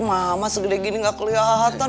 mama segede gini gak kelihatan